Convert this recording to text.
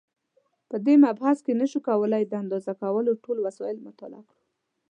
په دې مبحث کې نشو کولای د اندازه کولو ټول وسایل مطالعه کړو.